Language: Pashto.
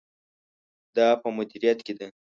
دا په مدیریت کې ده.